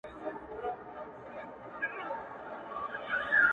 تا د هوښ په کور کي بې له غمه څه لیدلي دي.!